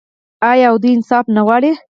آیا او دوی انصاف نه غواړي؟